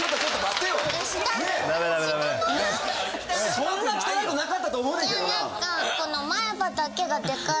そんな汚くなかったと思うねんけどな。